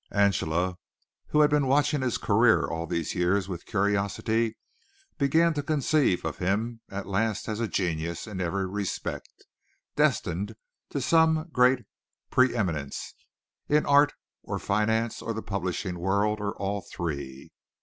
Angela, who had been watching his career all these years with curiosity, began to conceive of him at last as a genius in every respect destined to some great pre eminence, in art or finance or the publishing world or all three.